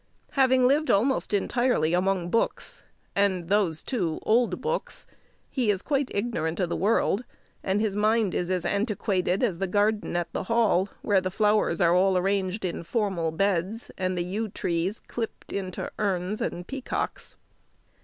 Having lived almost entirely among books, and those, too, old books, he is quite ignorant of the world, and his mind is as antiquated as the garden at the Hall, where the flowers are all arranged in formal beds, and the yew trees clipped into urns and peacocks.